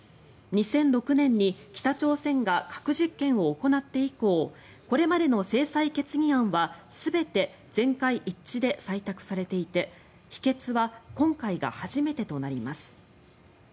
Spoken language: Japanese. ２００６年に北朝鮮が核実験を行って以降これまでの制裁決議案は全て全会一致で採択されていて否決は今回が初めてとなります。